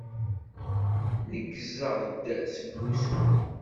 Neggzeɣ-d seg wusu.